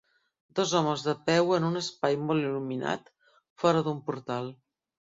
Dos homes de peu en un espai molt il·luminat fora d"un portal.